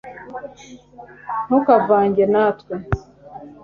ntukavange natwe